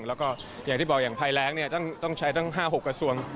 แล้วก็อย่างที่บอกอย่างภัยแรงต้องใช้ทั้ง๕๖กระทรวง